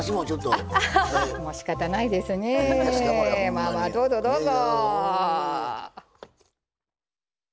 まあまあどうぞどうぞ！